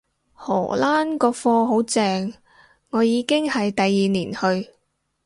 荷蘭個課好正，我已經係第二年去